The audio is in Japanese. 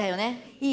いい？